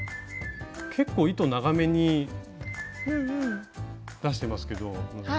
結構糸長めに出してますけど希さん。